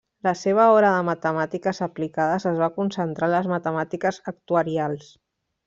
La seva obra de matemàtiques aplicades es va concentrar en les matemàtiques actuarials.